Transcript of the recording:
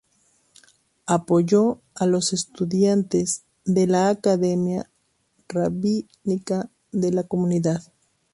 Apoyó a los estudiantes de la academia rabínica de su comunidad.